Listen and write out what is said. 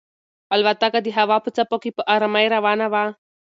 الوتکه د هوا په څپو کې په ارامۍ روانه وه.